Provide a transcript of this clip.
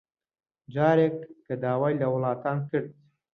جارێکی کە داوای لە وڵاتان کرد